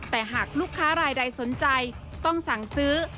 แต่หากลูกค้ารายใดสนใจต้องสั่งซื้อ